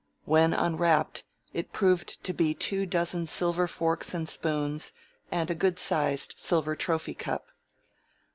When unwrapped it proved to be two dozen silver forks and spoons and a good sized silver trophy cup.